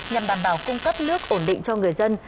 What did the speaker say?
nhằm đảm bảo cung cấp nước ổn định cho người dân